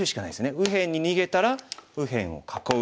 右辺に逃げたら右辺を囲う。